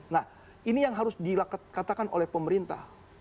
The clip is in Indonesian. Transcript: nah ini yang harus dikatakan oleh pemerintah